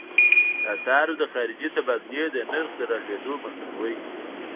د اسعارو د خارجې تبادلې د نرخ د رالوېدو مخنیوی.